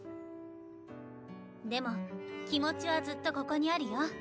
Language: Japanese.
でも気持ちはずっとここにあるよ。